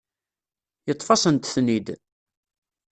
Yeṭṭef-asent-ten-id.